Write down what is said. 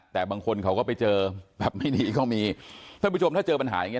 แต่บางคนเขาก็ไปเจอแบบไม่ดีก็มีท่านผู้ชมถ้าเจอปัญหาอย่างเง